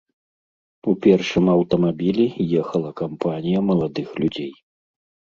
У першым аўтамабілі ехала кампанія маладых людзей.